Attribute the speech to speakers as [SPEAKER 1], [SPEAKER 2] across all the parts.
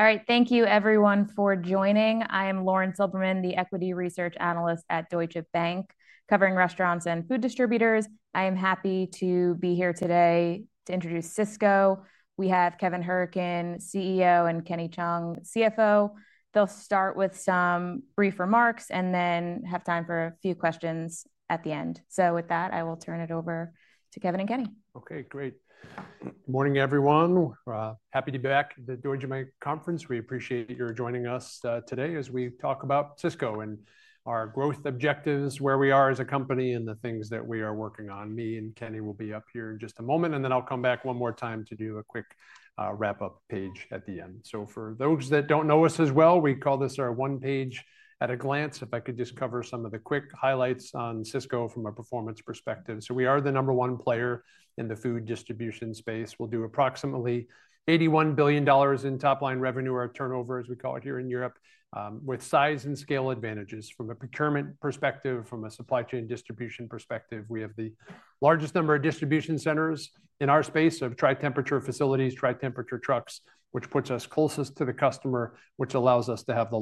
[SPEAKER 1] All right, thank you everyone for joining. I am Lauren Silberman, the Equity Research Analyst at Deutsche Bank, covering restaurants and food distributors. I am happy to be here today to introduce Sysco. We have Kevin Hourican, CEO, and Kenny Cheung, CFO. They'll start with some brief remarks and then have time for a few questions at the end. With that, I will turn it over to Kevin and Kenny.
[SPEAKER 2] Okay, great. Good morning, everyone. Happy to be back at the Deutsche Bank conference. We appreciate your joining us today as we talk about Sysco and our growth objectives, where we are as a company, and the things that we are working on. Me and Kenny will be up here in just a moment, and then I'll come back one more time to do a quick wrap-up page at the end. For those that don't know us as well, we call this our one page at a glance. If I could just cover some of the quick highlights on Sysco from a performance perspective. We are the number one player in the food distribution space. We'll do approximately $81 billion in top-line revenue or turnover, as we call it here in Europe, with size and scale advantages from a procurement perspective, from a supply chain distribution perspective. We have the largest number of distribution centers in our space of tri-temperature facilities, tri-temperature trucks, which puts us closest to the customer, which allows us to have the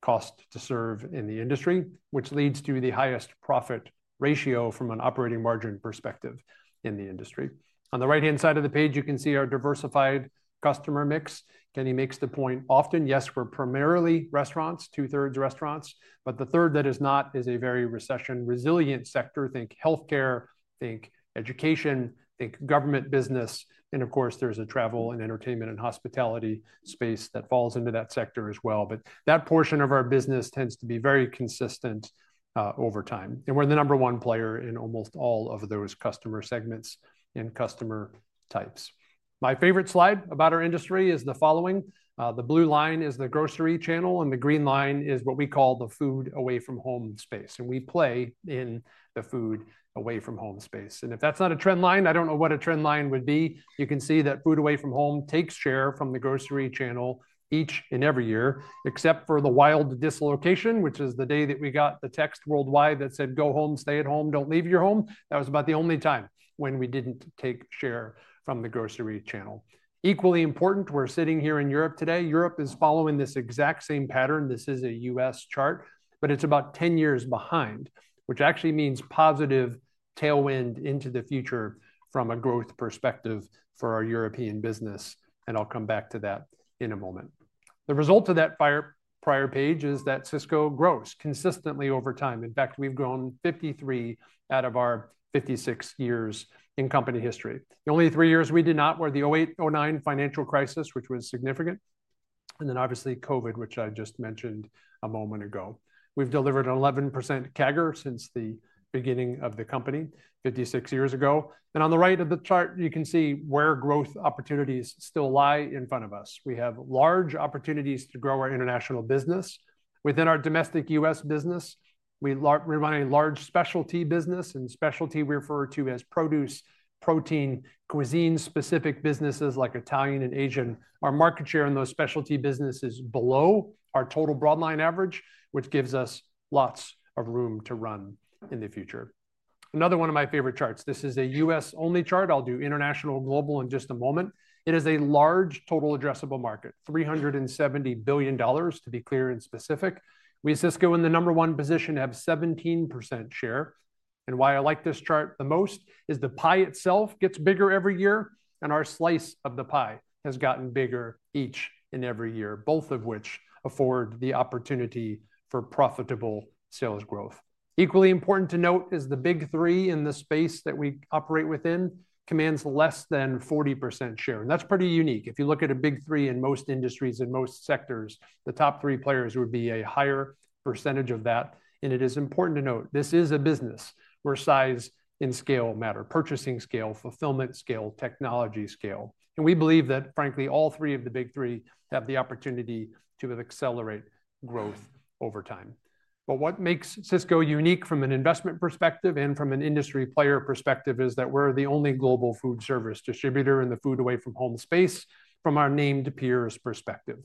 [SPEAKER 2] lowest cost to serve in the industry, which leads to the highest profit ratio from an operating margin perspective in the industry. On the right-hand side of the page, you can see our diversified customer mix. Kenny makes the point often, yes, we're primarily restaurants, two-thirds restaurants, but the third that is not is a very recession-resilient sector. Think healthcare, think education, think government business, and of course, there's a travel and entertainment and hospitality space that falls into that sector as well. That portion of our business tends to be very consistent over time. We're the number one player in almost all of those customer segments and customer types. My favorite slide about our industry is the following. The blue line is the grocery channel, and the green line is what we call the food away from home space. We play in the food away from home space. If that's not a trend line, I don't know what a trend line would be. You can see that food away from home takes share from the grocery channel each and every year, except for the wild dislocation, which is the day that we got the text worldwide that said, "Go home, stay at home, don't leave your home." That was about the only time when we didn't take share from the grocery channel. Equally important, we're sitting here in Europe today. Europe is following this exact same pattern. This is a U.S. chart, but it's about 10 years behind, which actually means positive tailwind into the future from a growth perspective for our European business. I'll come back to that in a moment. The result of that prior page is that Sysco grows consistently over time. In fact, we've grown 53 out of our 56 years in company history. The only three years we did not were the 2008, 2009 financial crisis, which was significant, and then obviously COVID, which I just mentioned a moment ago. We've delivered an 11% CAGR since the beginning of the company, 56 years ago. On the right of the chart, you can see where growth opportunities still lie in front of us. We have large opportunities to grow our international business. Within our domestic U.S. business, we run a large specialty business, and specialty we refer to as produce, protein, cuisine-specific businesses like Italian and Asian. Our market share in those specialty businesses is below our total broadline average, which gives us lots of room to run in the future. Another one of my favorite charts. This is a U.S.-only chart. I'll do international, global in just a moment. It is a large total addressable market, $370 billion, to be clear and specific. We at Sysco in the number one position have 17% share. Why I like this chart the most is the pie itself gets bigger every year, and our slice of the pie has gotten bigger each and every year, both of which afford the opportunity for profitable sales growth. Equally important to note is the big three in the space that we operate within commands less than 40% share. That is pretty unique. If you look at a big three in most industries and most sectors, the top three players would be a higher percentage of that. It is important to note this is a business where size and scale matter: purchasing scale, fulfillment scale, technology scale. We believe that, frankly, all three of the big three have the opportunity to accelerate growth over time. What makes Sysco unique from an investment perspective and from an industry player perspective is that we're the only global food service distributor in the food away from home space from our named peers' perspective.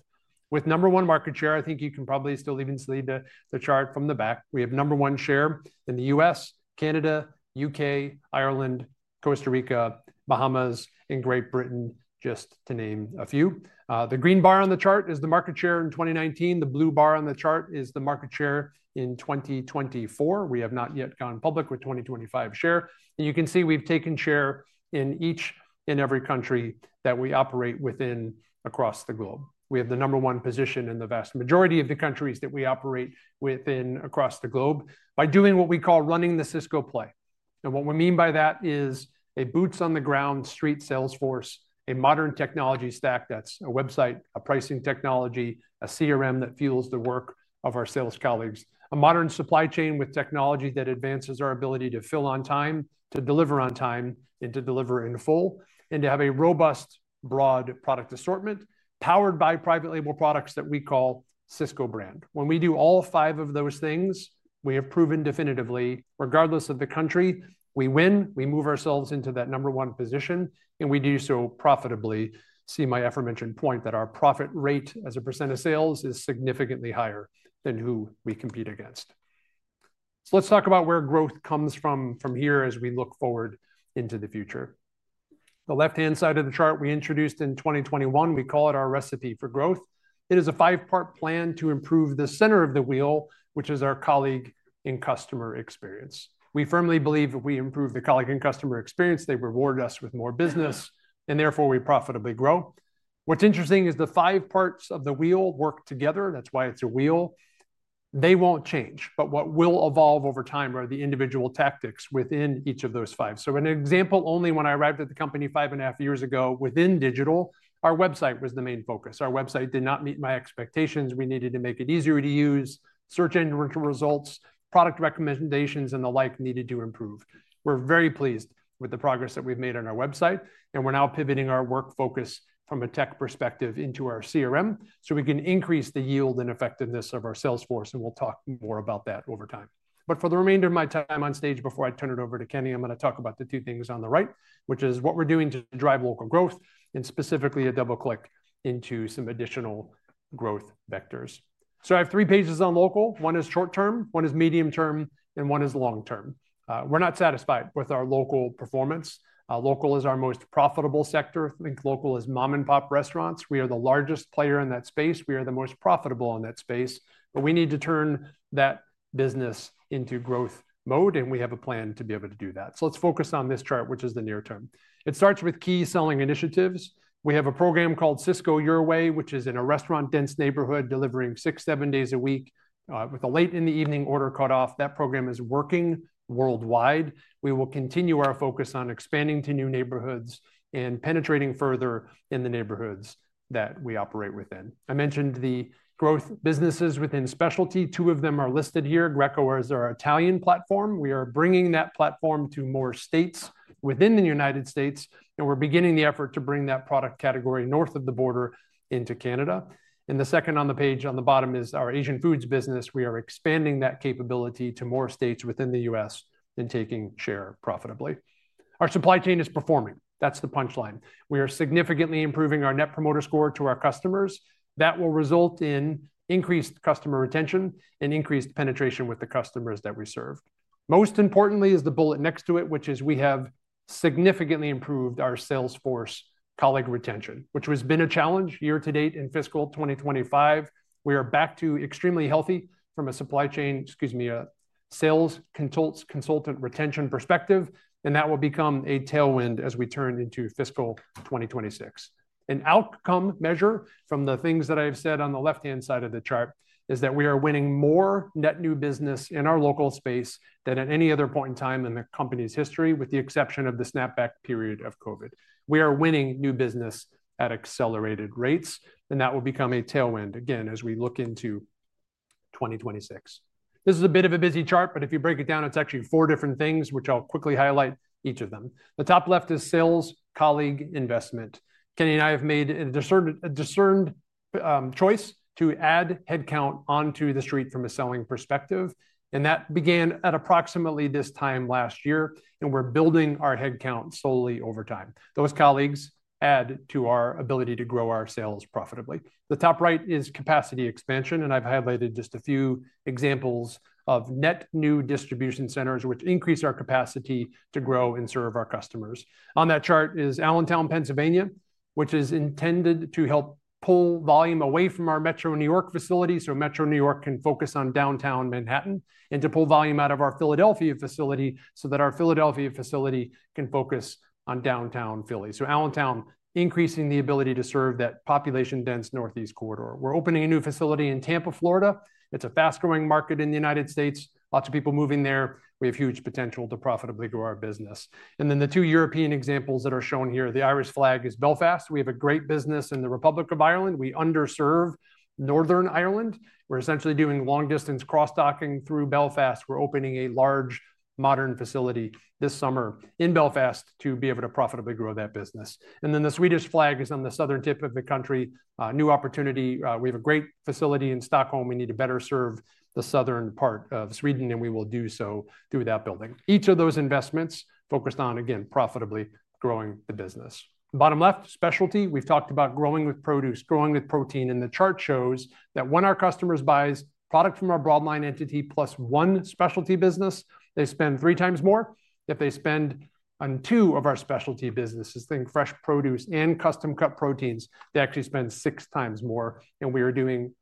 [SPEAKER 2] With number one market share, I think you can probably still even see the chart from the back. We have number one share in the U.S., Canada, U.K., Ireland, Costa Rica, Bahamas, and Great Britain, just to name a few. The green bar on the chart is the market share in 2019. The blue bar on the chart is the market share in 2024. We have not yet gone public with 2025 share. You can see we have taken share in each and every country that we operate within across the globe. We have the number one position in the vast majority of the countries that we operate within across the globe by doing what we call running the Sysco play. What we mean by that is a boots-on-the-ground street sales force, a modern technology stack that's a website, a pricing technology, a CRM that fuels the work of our sales colleagues, a modern supply chain with technology that advances our ability to fill on time, to deliver on time, and to deliver in full, and to have a robust, broad product assortment powered by private label products that we call Sysco Brand. When we do all five of those things, we have proven definitively, regardless of the country, we win, we move ourselves into that number one position, and we do so profitably. See my aforementioned point that our profit rate as a % of sales is significantly higher than who we compete against. Let's talk about where growth comes from from here as we look forward into the future. The left-hand side of the chart we introduced in 2021, we call it our recipe for growth. It is a five-part plan to improve the center of the wheel, which is our colleague and customer experience. We firmly believe if we improve the colleague and customer experience, they reward us with more business, and therefore we profitably grow. What's interesting is the five parts of the wheel work together. That's why it's a wheel. They won't change, but what will evolve over time are the individual tactics within each of those five. So an example only: when I arrived at the company five and a half years ago within digital, our website was the main focus. Our website did not meet my expectations. We needed to make it easier to use. Search engine results, product recommendations, and the like needed to improve. We're very pleased with the progress that we've made on our website, and we're now pivoting our work focus from a tech perspective into our CRM so we can increase the yield and effectiveness of our sales force. We'll talk more about that over time. For the remainder of my time on stage, before I turn it over to Kenny, I'm going to talk about the two things on the right, which is what we're doing to drive local growth and specifically a double-click into some additional growth vectors. I have three pages on local. One is short-term, one is medium-term, and one is long-term. We're not satisfied with our local performance. Local is our most profitable sector. I think local is mom-and-pop restaurants. We are the largest player in that space. We are the most profitable in that space. We need to turn that business into growth mode, and we have a plan to be able to do that. Let's focus on this chart, which is the near term. It starts with key selling initiatives. We have a program called Sysco Your Way, which is in a restaurant-dense neighborhood delivering six, seven days a week with a late-in-the-evening order cut off. That program is working worldwide. We will continue our focus on expanding to new neighborhoods and penetrating further in the neighborhoods that we operate within. I mentioned the growth businesses within specialty. Two of them are listed here. Greco is our Italian platform. We are bringing that platform to more states within the U.S., and we're beginning the effort to bring that product category north of the border into Canada. The second on the page on the bottom is our Asian Foods business. We are expanding that capability to more states within the U.S. and taking share profitably. Our supply chain is performing. That is the punchline. We are significantly improving our net promoter score to our customers. That will result in increased customer retention and increased penetration with the customers that we serve. Most importantly is the bullet next to it, which is we have significantly improved our sales force colleague retention, which has been a challenge year to date in fiscal 2025. We are back to extremely healthy from a supply chain, excuse me, sales consultant retention perspective, and that will become a tailwind as we turn into fiscal 2026. An outcome measure from the things that I've said on the left-hand side of the chart is that we are winning more net new business in our local space than at any other point in time in the company's history, with the exception of the snapback period of COVID. We are winning new business at accelerated rates, and that will become a tailwind again as we look into 2026. This is a bit of a busy chart, but if you break it down, it's actually four different things, which I'll quickly highlight each of them. The top left is sales colleague investment. Kenny and I have made a discerned choice to add headcount onto the street from a selling perspective, and that began at approximately this time last year, and we're building our headcount slowly over time. Those colleagues add to our ability to grow our sales profitably. The top right is capacity expansion, and I've highlighted just a few examples of net new distribution centers, which increase our capacity to grow and serve our customers. On that chart is Allentown, Pennsylvania, which is intended to help pull volume away from our Metro New York facility so Metro New York can focus on downtown Manhattan, and to pull volume out of our Philadelphia facility so that our Philadelphia facility can focus on downtown Philly. Allentown is increasing the ability to serve that population-dense northeast corridor. We're opening a new facility in Tampa, Florida. It's a fast-growing market in the U.S. Lots of people moving there. We have huge potential to profitably grow our business. The two European examples that are shown here, the Irish flag is Belfast. We have a great business in the Republic of Ireland. We underserve Northern Ireland. We're essentially doing long-distance cross-docking through Belfast. We're opening a large modern facility this summer in Belfast to be able to profitably grow that business. The Swedish flag is on the southern tip of the country. New opportunity. We have a great facility in Stockholm. We need to better serve the southern part of Sweden, and we will do so through that building. Each of those investments focused on, again, profitably growing the business. Bottom left, specialty. We've talked about growing with produce, growing with protein. The chart shows that when our customers buy product from our broadline entity plus one specialty business, they spend three times more. If they spend on two of our specialty businesses, think fresh produce and custom-cut proteins, they actually spend six times more. We are doing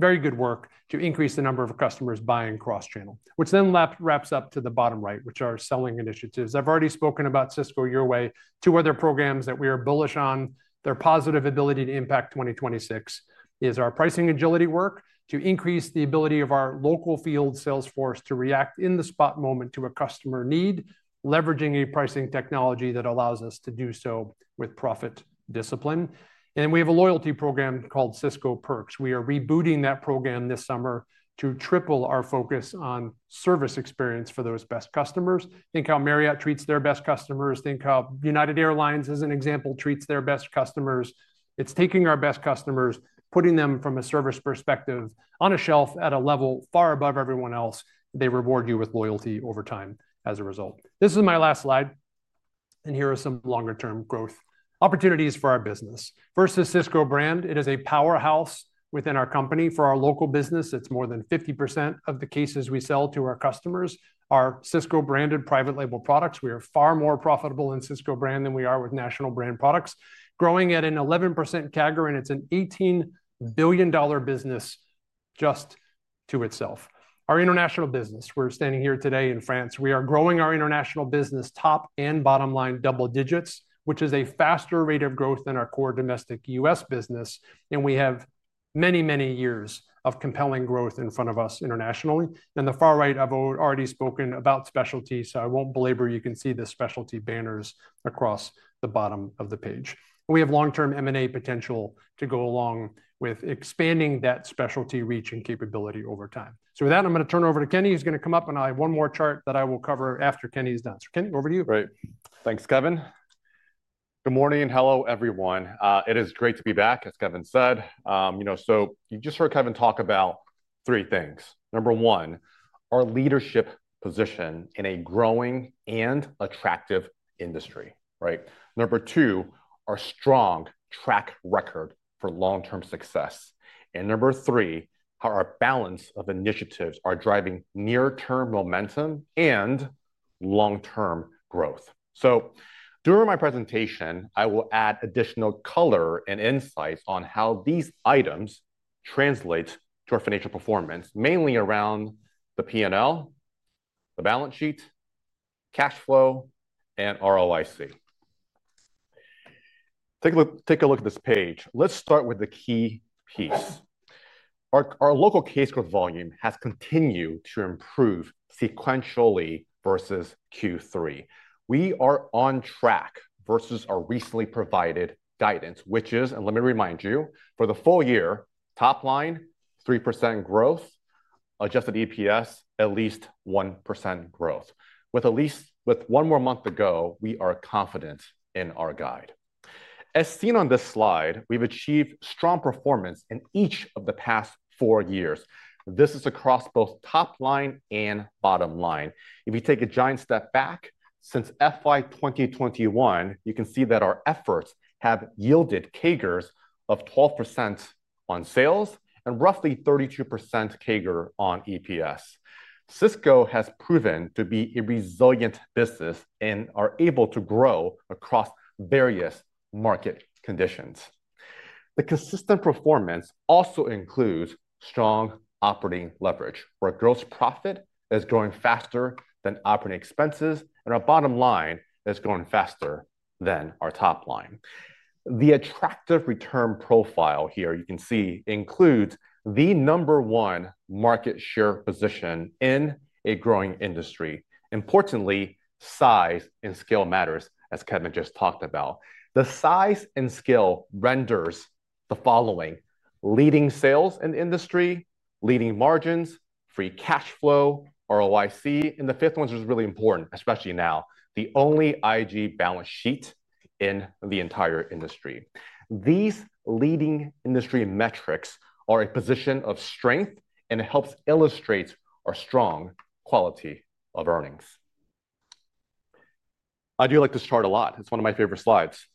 [SPEAKER 2] very good work to increase the number of customers buying cross-channel, which then wraps up to the bottom right, which are selling initiatives. I have already spoken about Sysco Your Way. Two other programs that we are bullish on, their positive ability to impact 2026, is our pricing agility work to increase the ability of our local field sales force to react in the spot moment to a customer need, leveraging a pricing technology that allows us to do so with profit discipline. We have a loyalty program called Sysco Perks. We are rebooting that program this summer to triple our focus on service experience for those best customers. Think how Marriott treats their best customers. Think how United Airlines, as an example, treats their best customers. It's taking our best customers, putting them from a service perspective on a shelf at a level far above everyone else. They reward you with loyalty over time as a result. This is my last slide, and here are some longer-term growth opportunities for our business. Versus Sysco Brand, it is a powerhouse within our company. For our local business, it's more than 50% of the cases we sell to our customers are Sysco-branded private label products. We are far more profitable in Sysco Brand than we are with national brand products, growing at an 11% CAGR, and it's an $18 billion business just to itself. Our international business, we're standing here today in France. We are growing our international business top and bottom line double digits, which is a faster rate of growth than our core domestic U.S. business. We have many, many years of compelling growth in front of us internationally. On the far right, I have already spoken about specialty, so I will not belabor. You can see the specialty banners across the bottom of the page. We have long-term M&A potential to go along with expanding that specialty reach and capability over time. With that, I am going to turn over to Kenny. He is going to come up, and I have one more chart that I will cover after Kenny is done. Kenny, over to you.
[SPEAKER 3] Great. Thanks, Kevin. Good morning and hello, everyone. It is great to be back, as Kevin said. You know, you just heard Kevin talk about three things. Number one, our leadership position in a growing and attractive industry, right? Number two, our strong track record for long-term success. Number three, how our balance of initiatives are driving near-term momentum and long-term growth. During my presentation, I will add additional color and insight on how these items translate to our financial performance, mainly around the P&L, the balance sheet, cash flow, and ROIC. Take a look at this page. Let's start with the key piece. Our local case growth volume has continued to improve sequentially versus Q3. We are on track versus our recently provided guidance, which is, and let me remind you, for the full year, top line, 3% growth, adjusted EPS, at least 1% growth. With one more month to go, we are confident in our guide. As seen on this slide, we've achieved strong performance in each of the past four years. This is across both top line and bottom line. If you take a giant step back since FY 2021, you can see that our efforts have yielded CAGRs of 12% on sales and roughly 32% CAGR on EPS. Sysco has proven to be a resilient business and are able to grow across various market conditions. The consistent performance also includes strong operating leverage, where our gross profit is growing faster than operating expenses, and our bottom line is growing faster than our top line. The attractive return profile here you can see includes the number one market share position in a growing industry. Importantly, size and scale matters, as Kevin just talked about. The size and scale renders the following: leading sales and industry, leading margins, free cash flow, ROIC. The fifth one is really important, especially now, the only IG balance sheet in the entire industry. These leading industry metrics are a position of strength, and it helps illustrate our strong quality of earnings. I do like this chart a lot. It's one of my favorite slides.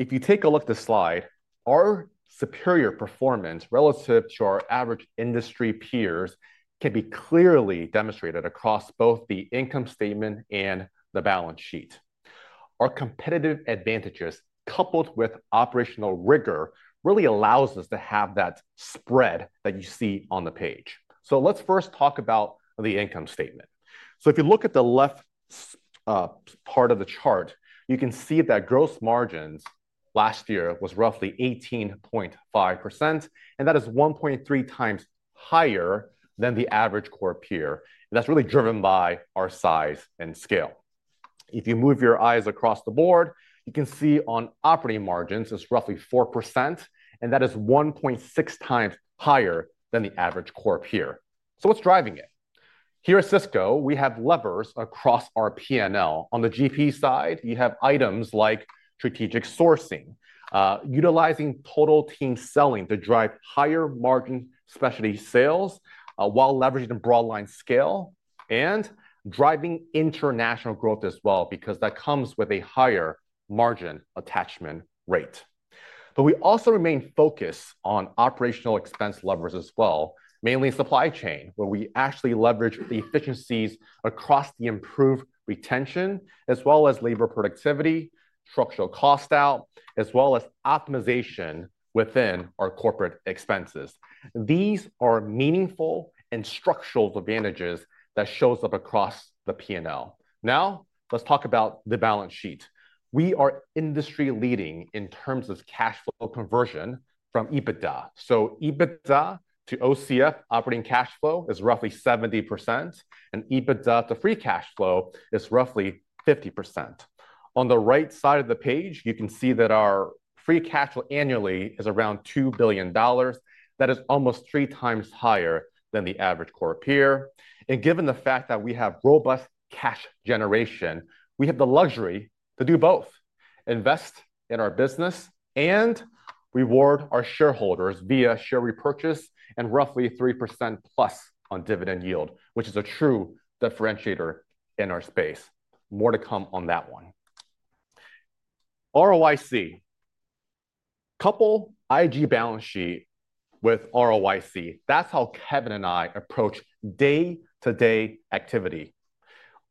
[SPEAKER 3] If you take a look at this slide, our superior performance relative to our average industry peers can be clearly demonstrated across both the income statement and the balance sheet. Our competitive advantages, coupled with operational rigor, really allows us to have that spread that you see on the page. Let's first talk about the income statement. If you look at the left part of the chart, you can see that gross margins last year was roughly 18.5%, and that is 1.3 times higher than the average core peer. That's really driven by our size and scale. If you move your eyes across the board, you can see on operating margins, it's roughly 4%, and that is 1.6 times higher than the average core peer. So what's driving it? Here at Sysco, we have levers across our P&L. On the GP side, you have items like strategic sourcing, utilizing total team selling to drive higher margin specialty sales while leveraging the broadline scale and driving international growth as well, because that comes with a higher margin attachment rate. But we also remain focused on operational expense levers as well, mainly supply chain, where we actually leverage the efficiencies across the improved retention, as well as labor productivity, structural cost out, as well as optimization within our corporate expenses. These are meaningful and structural advantages that show up across the P&L. Now, let's talk about the balance sheet. We are industry leading in terms of cash flow conversion from EBITDA. So EBITDA to OCF operating cash flow is roughly 70%, and EBITDA to free cash flow is roughly 50%. On the right side of the page, you can see that our free cash flow annually is around $2 billion. That is almost three times higher than the average core peer. Given the fact that we have robust cash generation, we have the luxury to do both, invest in our business and reward our shareholders via share repurchase and roughly 3%+ on dividend yield, which is a true differentiator in our space. More to come on that one. ROIC. Couple IG balance sheet with ROIC. That is how Kevin and I approach day-to-day activity.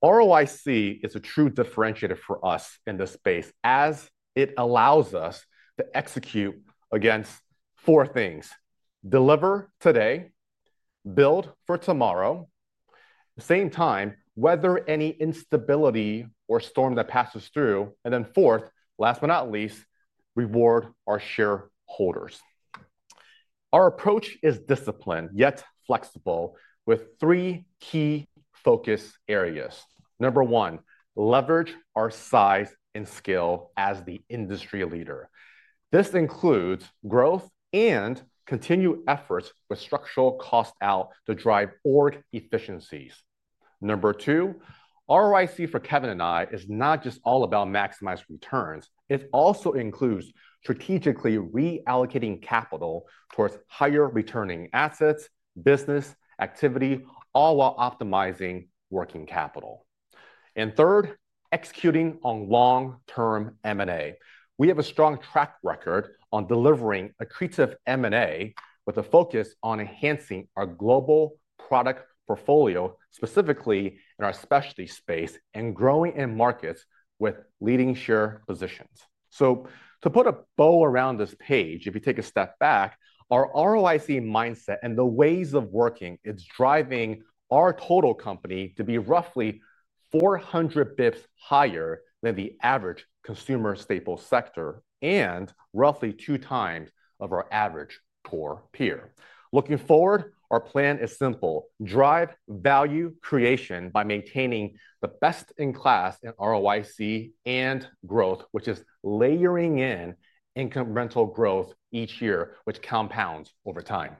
[SPEAKER 3] ROIC is a true differentiator for us in this space, as it allows us to execute against four things: deliver today, build for tomorrow, at the same time, weather any instability or storm that passes through, and then fourth, last but not least, reward our shareholders. Our approach is disciplined yet flexible with three key focus areas. Number one, leverage our size and scale as the industry leader. This includes growth and continued efforts with structural cost out to drive org efficiencies. Number two, ROIC for Kevin and I is not just all about maximized returns. It also includes strategically reallocating capital towards higher returning assets, business activity, all while optimizing working capital. And third, executing on long-term M&A. We have a strong track record on delivering accretive M&A with a focus on enhancing our global product portfolio, specifically in our specialty space, and growing in markets with leading share positions. To put a bow around this page, if you take a step back, our ROIC mindset and the ways of working is driving our total company to be roughly 400 basis points higher than the average consumer staple sector and roughly two times our average core peer. Looking forward, our plan is simple: drive value creation by maintaining the best in class in ROIC and growth, which is layering in incremental growth each year, which compounds over time.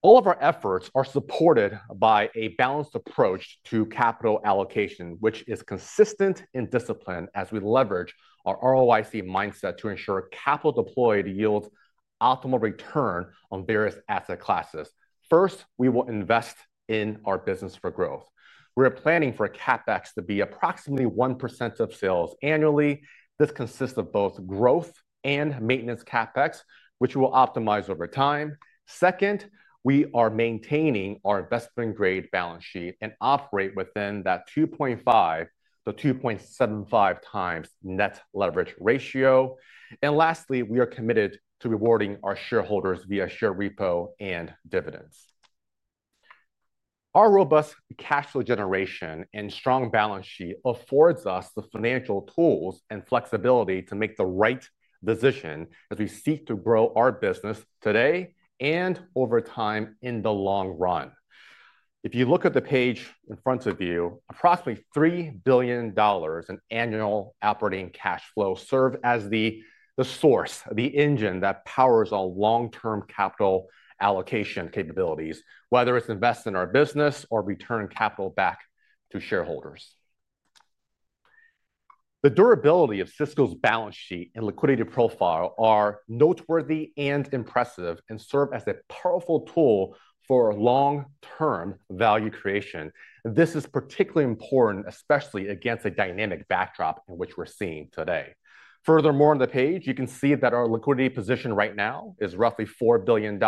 [SPEAKER 3] All of our efforts are supported by a balanced approach to capital allocation, which is consistent in discipline as we leverage our ROIC mindset to ensure capital deployed yields optimal return on various asset classes. First, we will invest in our business for growth. We are planning for CapEx to be approximately 1% of sales annually. This consists of both growth and maintenance CapEx, which we will optimize over time. Second, we are maintaining our investment-grade balance sheet and operate within that 2.5-2.75 times net leverage ratio. Lastly, we are committed to rewarding our shareholders via share repo and dividends. Our robust cash flow generation and strong balance sheet affords us the financial tools and flexibility to make the right decision as we seek to grow our business today and over time in the long run. If you look at the page in front of you, approximately $3 billion in annual operating cash flow serves as the source, the engine that powers our long-term capital allocation capabilities, whether it's investing in our business or returning capital back to shareholders. The durability of Sysco's balance sheet and liquidity profile are noteworthy and impressive and serve as a powerful tool for long-term value creation. This is particularly important, especially against a dynamic backdrop in which we're seeing today. Furthermore, on the page, you can see that our liquidity position right now is roughly $4 billion,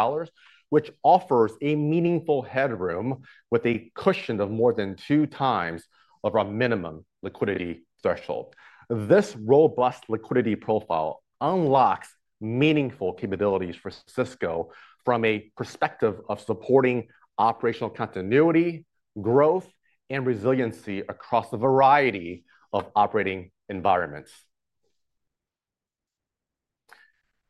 [SPEAKER 3] which offers a meaningful headroom with a cushion of more than two times of our minimum liquidity threshold. This robust liquidity profile unlocks meaningful capabilities for Sysco from a perspective of supporting operational continuity, growth, and resiliency across a variety of operating environments.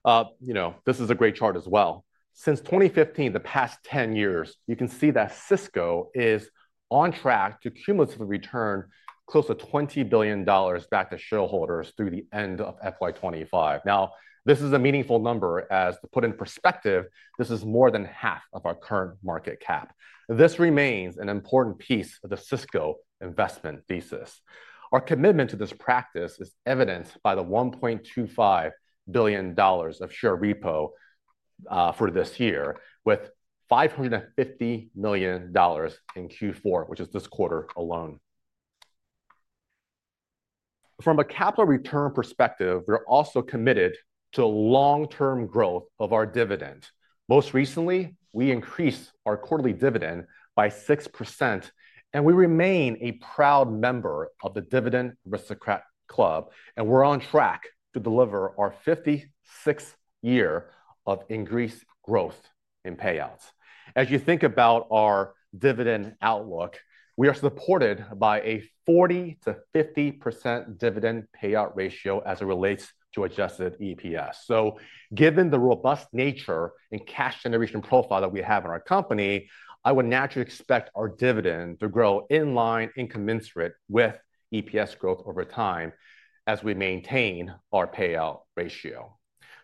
[SPEAKER 3] You know, this is a great chart as well. Since 2015, the past 10 years, you can see that Sysco is on track to cumulatively return close to $20 billion back to shareholders through the end of FY 2025. Now, this is a meaningful number as to put in perspective, this is more than half of our current market cap. This remains an important piece of the Sysco investment thesis. Our commitment to this practice is evidenced by the $1.25 billion of share repo for this year, with $550 million in Q4, which is this quarter alone. From a capital return perspective, we're also committed to long-term growth of our dividend. Most recently, we increased our quarterly dividend by 6%, and we remain a proud member of the Dividend Aristocrat Club, and we're on track to deliver our 56th year of increased growth in payouts. As you think about our dividend outlook, we are supported by a 40-50% dividend payout ratio as it relates to adjusted EPS. Given the robust nature and cash generation profile that we have in our company, I would naturally expect our dividend to grow in line and commensurate with EPS growth over time as we maintain our payout ratio.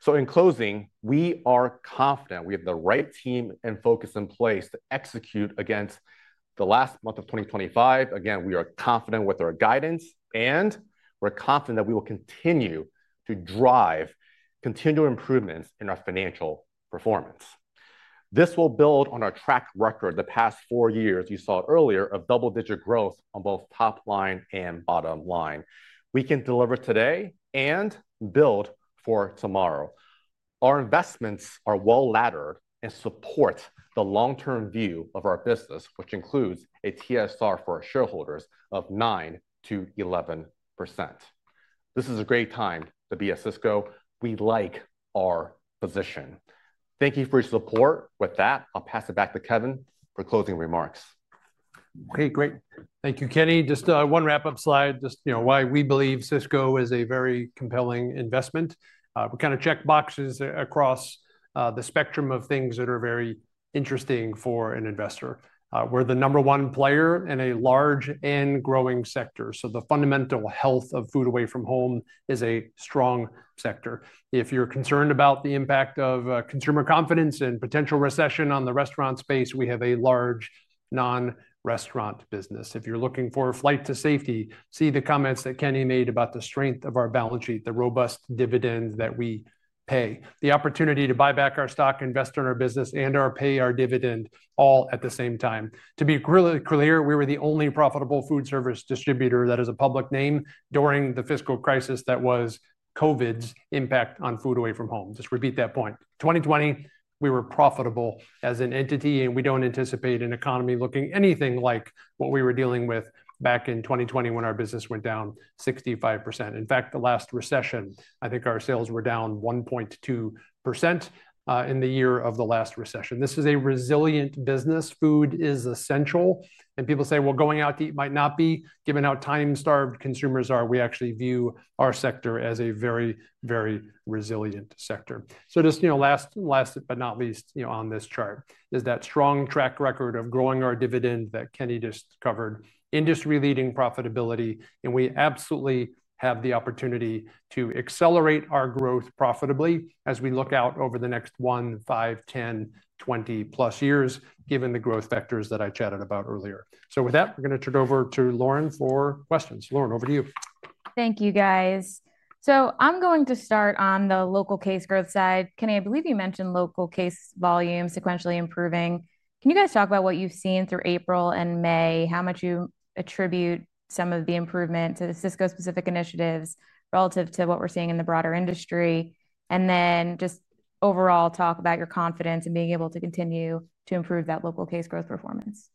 [SPEAKER 3] In closing, we are confident we have the right team and focus in place to execute against the last month of 2025. Again, we are confident with our guidance, and we're confident that we will continue to drive continual improvements in our financial performance. This will build on our track record the past four years, you saw earlier, of double-digit growth on both top line and bottom line. We can deliver today and build for tomorrow. Our investments are well laddered and support the long-term view of our business, which includes a TSR for our shareholders of 9-11%. This is a great time to be at Sysco. We like our position. Thank you for your support. With that, I'll pass it back to Kevin for closing remarks.
[SPEAKER 2] Okay, great. Thank you, Kenny. Just one wrap-up slide, just why we believe Sysco is a very compelling investment. We kind of check boxes across the spectrum of things that are very interesting for an investor. We're the number one player in a large and growing sector. The fundamental health of food away from home is a strong sector. If you're concerned about the impact of consumer confidence and potential recession on the restaurant space, we have a large non-restaurant business. If you're looking for a flight to safety, see the comments that Kenny made about the strength of our balance sheet, the robust dividend that we pay, the opportunity to buy back our stock, invest in our business, and pay our dividend all at the same time. To be really clear, we were the only profitable food service distributor that is a public name during the fiscal crisis that was COVID's impact on food away from home. Just repeat that point. In 2020, we were profitable as an entity, and we do not anticipate an economy looking anything like what we were dealing with back in 2020 when our business went down 65%. In fact, the last recession, I think our sales were down 1.2% in the year of the last recession. This is a resilient business. Food is essential. People say, well, going out to eat might not be. Given how time-starved consumers are, we actually view our sector as a very, very resilient sector. Just last but not least on this chart is that strong track record of growing our dividend that Kenny just covered, industry-leading profitability, and we absolutely have the opportunity to accelerate our growth profitably as we look out over the next 1, 5, 10, 20+ years, given the growth factors that I chatted about earlier. With that, we're going to turn it over to Lauren for questions. Lauren, over to you.
[SPEAKER 1] Thank you, guys. I'm going to start on the local case growth side. Kenny, I believe you mentioned local case volume sequentially improving. Can you guys talk about what you've seen through April and May, how much you attribute some of the improvement to the Sysco-specific initiatives relative to what we're seeing in the broader industry? And then just overall, talk about your confidence in being able to continue to improve that local case growth performance.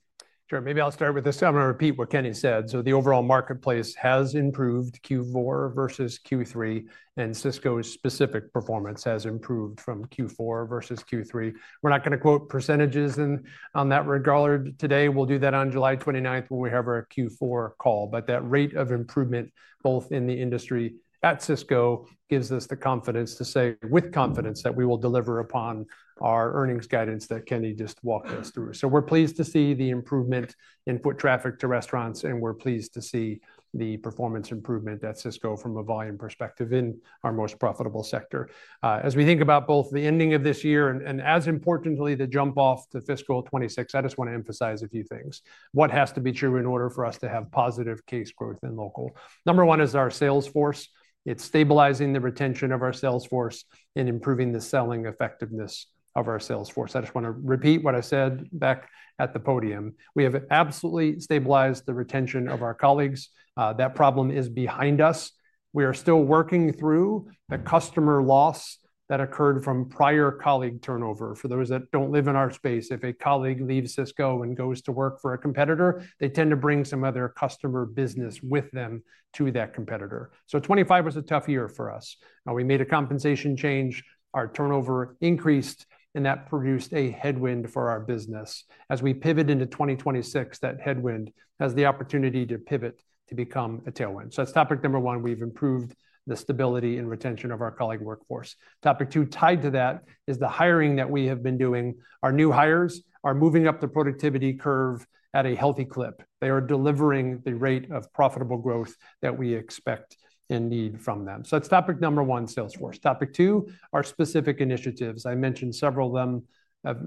[SPEAKER 2] Sure. Maybe I'll start with this. I'm going to repeat what Kenny said. The overall marketplace has improved Q4 versus Q3, and Sysco's specific performance has improved from Q4 versus Q3. We're not going to quote % on that regard today. We'll do that on July 29 when we have our Q4 call. That rate of improvement both in the industry at Sysco gives us the confidence to say with confidence that we will deliver upon our earnings guidance that Kenny just walked us through. We're pleased to see the improvement in foot traffic to restaurants, and we're pleased to see the performance improvement at Sysco from a volume perspective in our most profitable sector. As we think about both the ending of this year and, as importantly, the jump off to fiscal 2026, I just want to emphasize a few things. What has to be true in order for us to have positive case growth in local? Number one is our sales force. It is stabilizing the retention of our sales force and improving the selling effectiveness of our sales force. I just want to repeat what I said back at the podium. We have absolutely stabilized the retention of our colleagues. That problem is behind us. We are still working through the customer loss that occurred from prior colleague turnover. For those that do not live in our space, if a colleague leaves Sysco and goes to work for a competitor, they tend to bring some other customer business with them to that competitor. Twenty twenty-five was a tough year for us. We made a compensation change. Our turnover increased, and that produced a headwind for our business. As we pivot into 2026, that headwind has the opportunity to pivot to become a tailwind. That is topic number one. We have improved the stability and retention of our colleague workforce. Topic two tied to that is the hiring that we have been doing. Our new hires are moving up the productivity curve at a healthy clip. They are delivering the rate of profitable growth that we expect and need from them. That is topic number one, Salesforce. Topic two, our specific initiatives. I mentioned several of them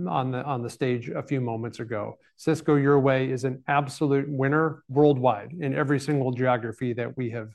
[SPEAKER 2] on the stage a few moments ago. Sysco Your Way is an absolute winner worldwide in every single geography that we have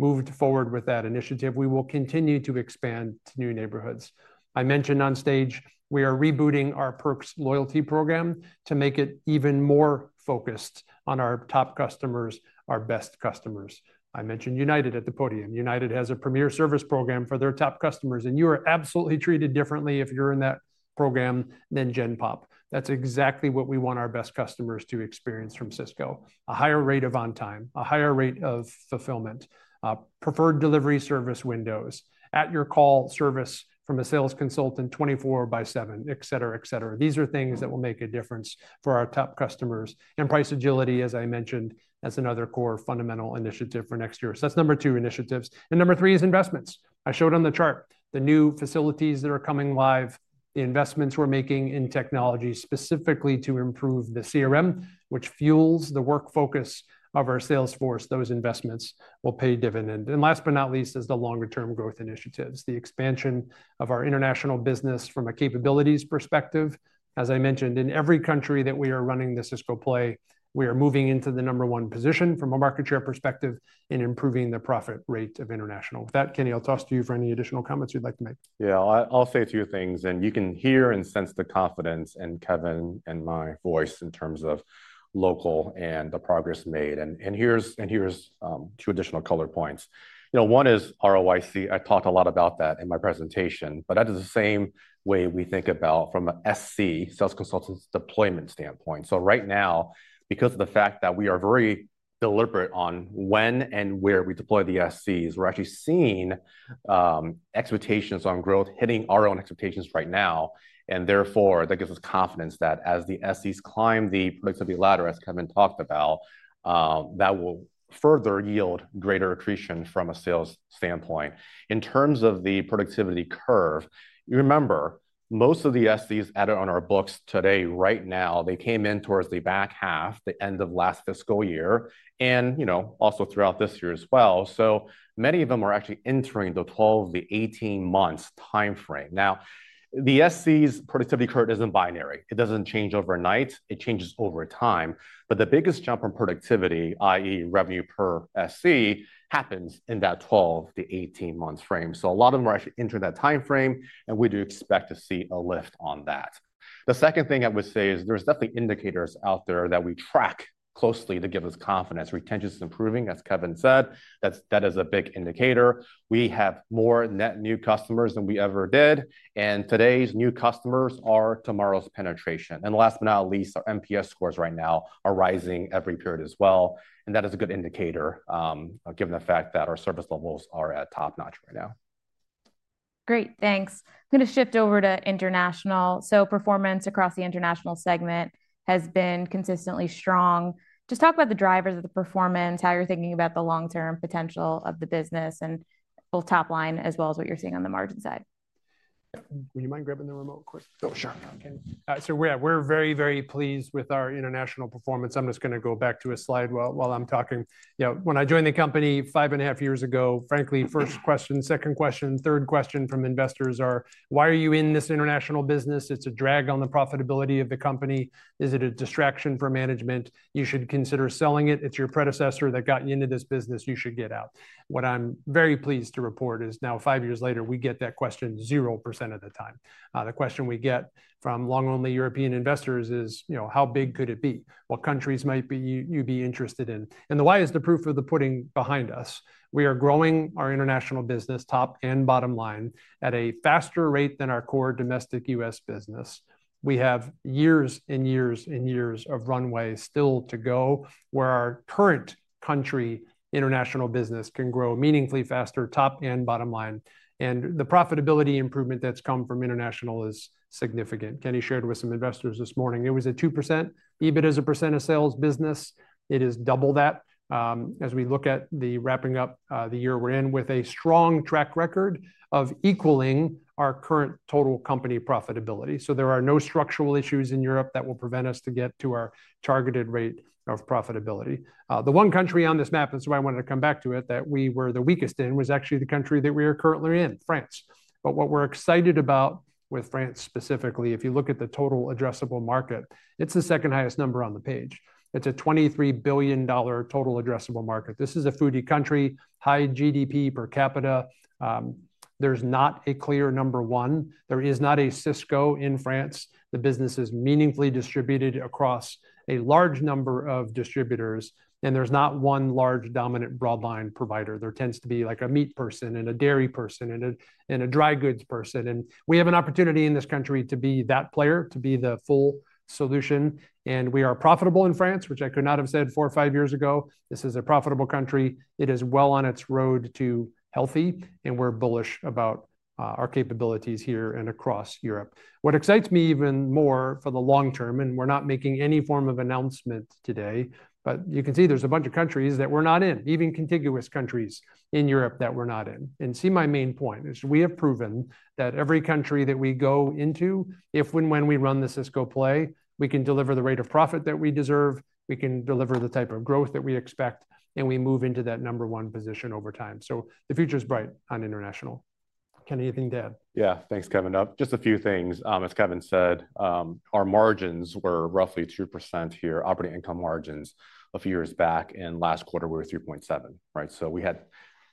[SPEAKER 2] moved forward with that initiative. We will continue to expand to new neighborhoods. I mentioned on stage we are rebooting our Perks loyalty program to make it even more focused on our top customers, our best customers. I mentioned United at the podium. United has a premier service program for their top customers, and you are absolutely treated differently if you're in that program than GenPop. That's exactly what we want our best customers to experience from Sysco: a higher rate of on time, a higher rate of fulfillment, preferred delivery service windows, at-your-call service from a sales consultant 24 by 7, et cetera, et cetera. These are things that will make a difference for our top customers. And price agility, as I mentioned, that's another core fundamental initiative for next year. So that's number two initiatives. And number three is investments. I showed on the chart the new facilities that are coming live, the investments we're making in technology specifically to improve the CRM, which fuels the work focus of our sales force. Those investments will pay dividend. Last but not least is the longer-term growth initiatives, the expansion of our international business from a capabilities perspective. As I mentioned, in every country that we are running the Sysco play, we are moving into the number one position from a market share perspective in improving the profit rate of international. With that, Kenny, I'll toss to you for any additional comments you'd like to make.
[SPEAKER 3] Yeah, I'll say a few things, and you can hear and sense the confidence in Kevin and my voice in terms of local and the progress made. Here's two additional color points. One is ROIC. I talked a lot about that in my presentation, but that is the same way we think about from an SC, Sales Consultants Deployment standpoint. Right now, because of the fact that we are very deliberate on when and where we deploy the SCs, we're actually seeing expectations on growth hitting our own expectations right now. That gives us confidence that as the SCs climb the productivity ladder, as Kevin talked about, that will further yield greater attrition from a sales standpoint. In terms of the productivity curve, you remember most of the SCs added on our books today, right now, they came in towards the back half, the end of last fiscal year, and also throughout this year as well. Many of them are actually entering the 12-18 months timeframe. Now, the SC's productivity curve isn't binary. It doesn't change overnight. It changes over time. But the biggest jump in productivity, i.e., revenue per SC, happens in that 12-18 months frame. So a lot of them are actually entering that timeframe, and we do expect to see a lift on that. The second thing I would say is there's definitely indicators out there that we track closely to give us confidence. Retention is improving, as Kevin said. That is a big indicator. We have more net new customers than we ever did. And today's new customers are tomorrow's penetration. Last but not least, our NPS scores right now are rising every period as well. That is a good indicator, given the fact that our service levels are at top notch right now.
[SPEAKER 1] Great. Thanks. I'm going to shift over to international. Performance across the international segment has been consistently strong. Just talk about the drivers of the performance, how you're thinking about the long-term potential of the business, and both top line as well as what you're seeing on the margin side.
[SPEAKER 2] Would you mind grabbing the remote quick?
[SPEAKER 3] Oh, sure.
[SPEAKER 2] We are very, very pleased with our international performance. I'm just going to go back to a slide while I'm talking. When I joined the company five and a half years ago, frankly, first question, second question, third question from investors are, why are you in this international business? It's a drag on the profitability of the company. Is it a distraction for management? You should consider selling it. It's your predecessor that got you into this business. You should get out. What I'm very pleased to report is now, five years later, we get that question 0% of the time. The question we get from long-only European investors is, how big could it be? What countries might you be interested in? The why is the proof of the pudding behind us. We are growing our international business, top and bottom line, at a faster rate than our core domestic U.S. business. We have years and years and years of runway still to go where our current country international business can grow meaningfully faster, top and bottom line. The profitability improvement that has come from international is significant. Kenny shared with some investors this morning. It was a 2%. EBIT is a percent of sales business. It is double that. As we look at wrapping up the year, we are in with a strong track record of equaling our current total company profitability. There are no structural issues in Europe that will prevent us to get to our targeted rate of profitability. The one country on this map, and I wanted to come back to it, that we were the weakest in was actually the country that we are currently in, France. What we are excited about with France specifically, if you look at the total addressable market, it is the second highest number on the page. It is a $23 billion total addressable market. This is a foodie country, high GDP per capita. There is not a clear number one. There is not a Sysco in France. The business is meaningfully distributed across a large number of distributors. There is not one large dominant broadline provider. There tends to be like a meat person and a dairy person and a dry goods person. We have an opportunity in this country to be that player, to be the full solution. We are profitable in France, which I could not have said four or five years ago. This is a profitable country. It is well on its road to healthy. We are bullish about our capabilities here and across Europe. What excites me even more for the long term, and we are not making any form of announcement today, but you can see there are a bunch of countries that we are not in, even contiguous countries in Europe that we are not in. My main point is we have proven that every country that we go into, if and when we run the Sysco play, we can deliver the rate of profit that we deserve. We can deliver the type of growth that we expect. We move into that number one position over time. The future is bright on international. Kenny, anything to add?
[SPEAKER 3] Yeah, thanks, Kevin. Just a few things. As Kevin said, our margins were roughly 2% here, operating income margins. A few years back and last quarter, we were 3.7%. We had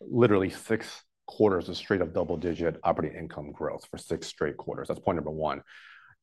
[SPEAKER 3] literally six quarters of straight-up double-digit operating income growth for six straight quarters. That's point number one.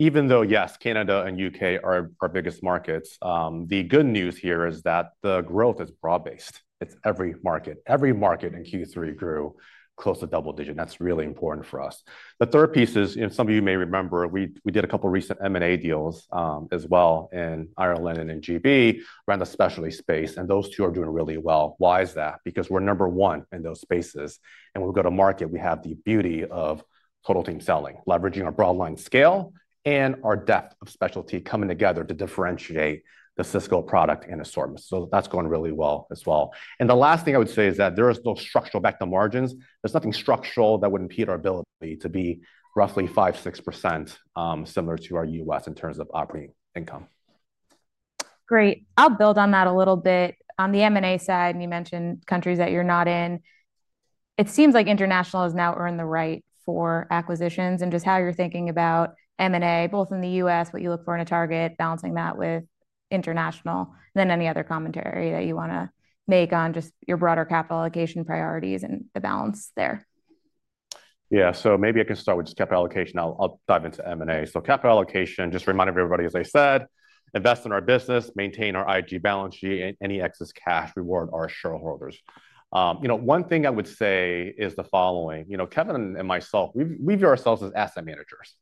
[SPEAKER 3] Even though, yes, Canada and U.K. are our biggest markets, the good news here is that the growth is broad-based. It's every market. Every market in Q3 grew close to double-digit. That's really important for us. The third piece is, and some of you may remember, we did a couple of recent M&A deals as well in Ireland and in Great Britain around the specialty space. Those two are doing really well. Why is that? Because we're number one in those spaces. When we go to market, we have the beauty of total team selling, leveraging our broadline scale and our depth of specialty coming together to differentiate the Sysco product and assortments. That's going really well as well. The last thing I would say is that there is no structural back-to-margins. There's nothing structural that would impede our ability to be roughly 5%-6% similar to our U.S. in terms of operating income. Great. I'll build on that a little bit. On the M&A side, and you mentioned countries that you're not in, it seems like international has now earned the right for acquisitions. Just how you're thinking about M&A, both in the U.S., what you look for in a target, balancing that with international. Any other commentary that you want to make on just your broader capital allocation priorities and the balance there? Yeah, maybe I can start with just capital allocation. I'll dive into M&A. Capital allocation, just reminding everybody, as I said, invest in our business, maintain our IG balance sheet, and any excess cash reward our shareholders. One thing I would say is the following. Kevin and myself, we view ourselves as asset managers.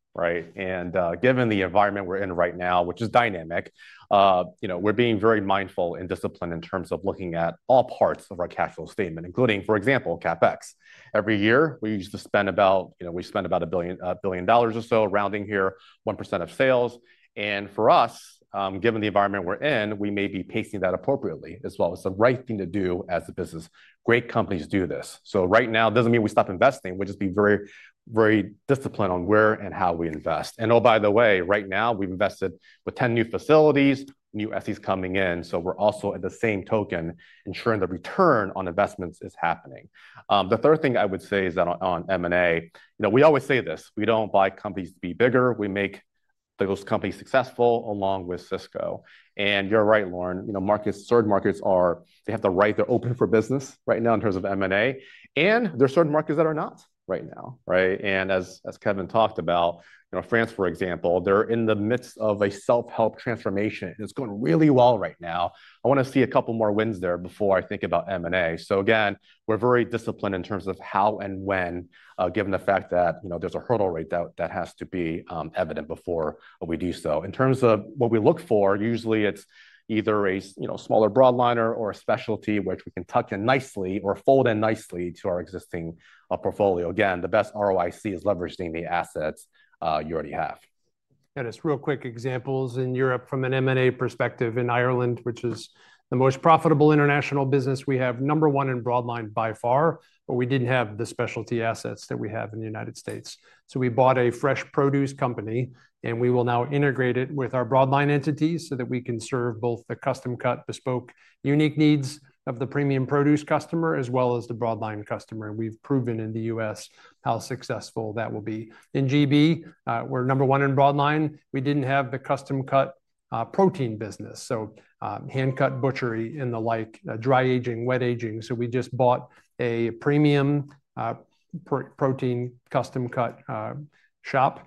[SPEAKER 3] Given the environment we're in right now, which is dynamic, we're being very mindful and disciplined in terms of looking at all parts of our cash flow statement, including, for example, CapEx. Every year, we used to spend about, we spend about a billion dollars or so rounding here, 1% of sales. For us, given the environment we're in, we may be pacing that appropriately as well. It's the right thing to do as a business. Great companies do this. Right now, it doesn't mean we stop investing. We just be very, very disciplined on where and how we invest. Oh, by the way, right now, we've invested with 10 new facilities, new SEs coming in. We're also at the same token, ensuring the return on investments is happening. The third thing I would say is that on M&A, we always say this. We don't buy companies to be bigger. We make those companies successful along with Sysco. You're right, Lauren. Markets, certain markets, they have the right. They're open for business right now in terms of M&A. There are certain markets that are not right now. As Kevin talked about, France, for example, they're in the midst of a self-help transformation. It's going really well right now. I want to see a couple more wins there before I think about M&A. Again, we're very disciplined in terms of how and when, given the fact that there's a hurdle rate that has to be evident before we do so. In terms of what we look for, usually it's either a smaller broadliner or a specialty, which we can tuck in nicely or fold in nicely to our existing portfolio. Again, the best ROIC is leveraging the assets you already have. Got us real quick examples in Europe from an M&A perspective. In Ireland, which is the most profitable international business, we have number one in broadline by far, but we didn't have the specialty assets that we have in the United States. We bought a fresh produce company, and we will now integrate it with our broadline entities so that we can serve both the custom-cut, bespoke, unique needs of the premium produce customer as well as the broadline customer. We have proven in the U.S. how successful that will be. In Great Britain, we are number one in broadline. We did not have the custom-cut protein business, so hand-cut butchery and the like, dry aging, wet aging. We just bought a premium protein custom-cut shop.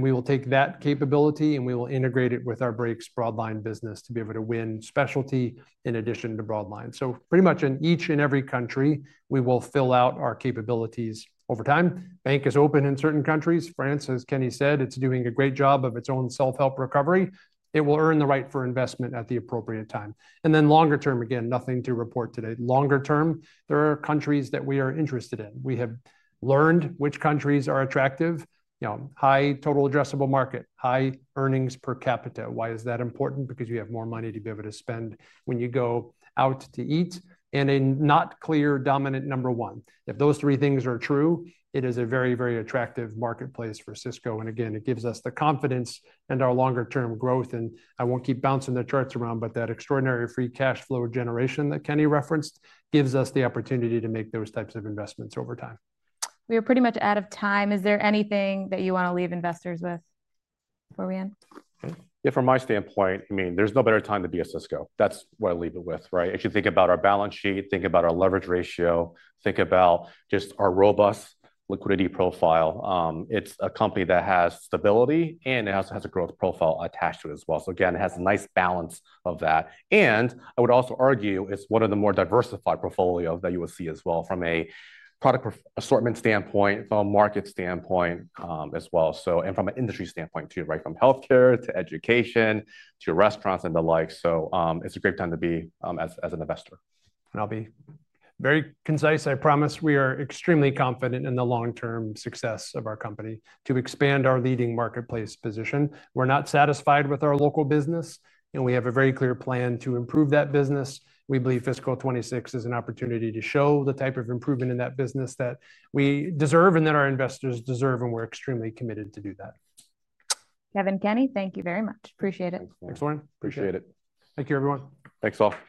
[SPEAKER 3] We will take that capability, and we will integrate it with our Brakes broadline business to be able to win specialty in addition to broadline. Pretty much in each and every country, we will fill out our capabilities over time. Bank is open in certain countries. France, as Kenny said, is doing a great job of its own self-help recovery. It will earn the right for investment at the appropriate time. Longer term, again, nothing to report today. Longer term, there are countries that we are interested in. We have learned which countries are attractive. High total addressable market, high earnings per capita. Why is that important? Because you have more money to be able to spend when you go out to eat. A not clear dominant number one. If those three things are true, it is a very, very attractive marketplace for Sysco. It gives us the confidence in our longer-term growth. I will not keep bouncing the charts around, but that extraordinary free cash flow generation that Kenny referenced gives us the opportunity to make those types of investments over time.
[SPEAKER 1] We are pretty much out of time. Is there anything that you want to leave investors with before we end?
[SPEAKER 3] Yeah, from my standpoint, I mean, there's no better time to be at Sysco. That's what I leave it with. If you think about our balance sheet, think about our leverage ratio, think about just our robust liquidity profile. It's a company that has stability, and it also has a growth profile attached to it as well. It has a nice balance of that. I would also argue it's one of the more diversified portfolios that you will see as well from a product assortment standpoint, from a market standpoint as well, and from an industry standpoint too, right from healthcare to education to restaurants and the like. It's a great time to be as an investor. I'll be very concise. I promise we are extremely confident in the long-term success of our company to expand our leading marketplace position. We're not satisfied with our local business. We have a very clear plan to improve that business. We believe fiscal 2026 is an opportunity to show the type of improvement in that business that we deserve and that our investors deserve. We're extremely committed to do that.
[SPEAKER 1] Kevin, Kenny, thank you very much. Appreciate it.
[SPEAKER 2] Thanks, Lauren.
[SPEAKER 3] Appreciate it.
[SPEAKER 2] Thank you, everyone.
[SPEAKER 3] Thanks, all.